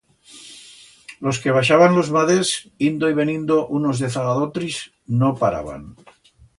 Los que baixaban los maders, indo y venindo unos dezaga d'otris, no paraban.